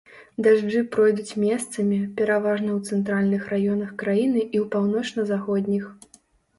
Дажджы пройдуць месцамі, пераважна ў цэнтральных раёнах краіны і ў паўночна-заходніх.